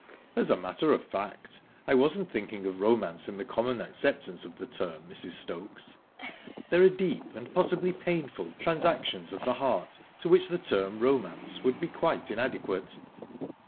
"As a matter of fact, I wasn't thinking of romance, in the common acceptance of the term, Mrs. Stokes. There are deep, and possibly painful, transactions of the heart to which the term 'romance' would be quite inadequate."